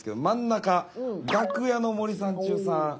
真ん中「楽屋の森三中さん」。